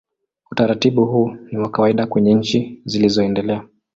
Utaratibu huu ni wa kawaida kwenye nchi zilizoendelea.